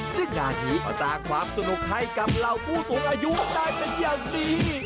ซึ่งงานนี้ก็สร้างความสนุกให้กับเหล่าผู้สูงอายุได้เป็นอย่างดี